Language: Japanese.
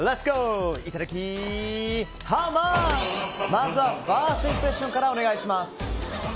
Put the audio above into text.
まずはファーストインプレッションからお願いします。